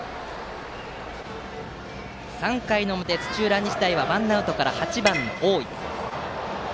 ３回の表、土浦日大はワンアウトから８番の大井。